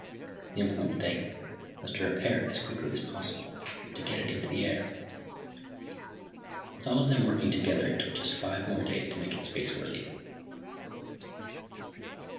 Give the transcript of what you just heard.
The important thing was to repair it as quickly as possible, to get it into the air. With all of them working together it took just five more days to make it spaceworthy.